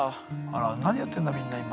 あら何やってるんだみんな今。